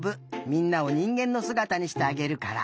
みんなをにんげんのすがたにしてあげるから。